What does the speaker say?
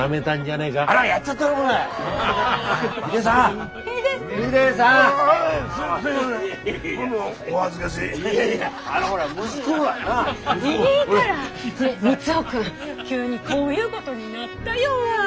ねえ三生君急にこういうことになったよわ。